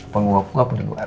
penguap ngapu di luar